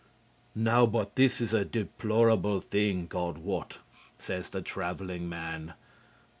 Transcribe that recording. "Now but this is an deplorable thing, God wot," says the traveling man.